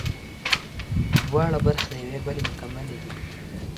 دواړه برخې د یوې بلې مکملې دي